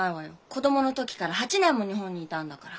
子供の時から８年も日本にいたんだから。